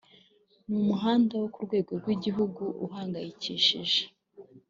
Ni umuhanda wo ku rwego rw’igihugu uduhangayikishije